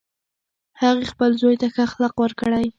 هغې خپل زوی ته ښه اخلاق ورکړی